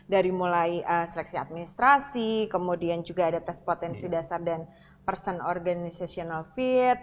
dari mulai seleksi administrasi kemudian juga ada tes potensi dasar dan person organization of feet